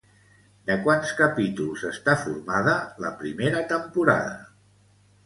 De quants capítols està formada la primera temporada?